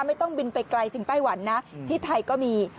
ไม่ต้องบินไปไกลถึงไต้หวันนะที่ไทยก็มี